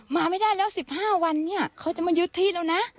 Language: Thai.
มาไม่ได้แล้ว๑๕วันเนี่ยเขาจะมายึดที่แล้วนะ